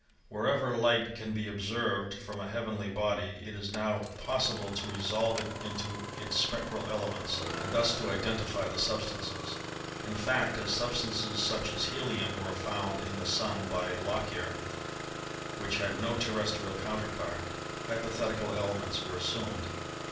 Wherever light can be ob tained from a heavenly body it is now possible to resolve it into its spectral elements and thus to identify the sub stances. In fact, as substances such as helium were found in the Sun by Lockyer, which had no terrestrial counter part, hypothetical elements were assumed.